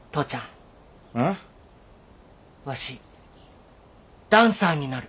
わしダンサーになる。